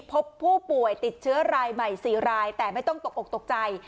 พบผู้ป่วยติดเชื้อรายใหม่๔รายแต่ไม่ต้องตกออกตกใจ